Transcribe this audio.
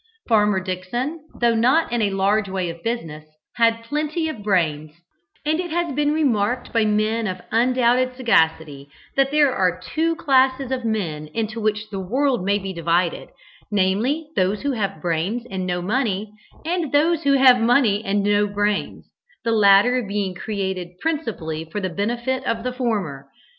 Farmer Dickson, though not in a large way of business, had plenty of brains, and it has been remarked by men of undoubted sagacity that there are two classes of men into which the world may be divided, namely those who have brains and no money, and those who have money and no brains, the latter being created principally for the benefit of the former.